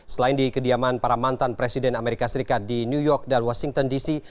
selain di kediaman para mantan presiden amerika serikat di new york dan washington dc